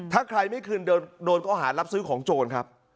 ถ้าใครไม่คืนโดนก็หารับซื้อของโจรครับ